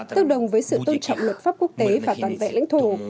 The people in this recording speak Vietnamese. tương đồng với sự tôn trọng luật pháp quốc tế và toàn vẹn lãnh thổ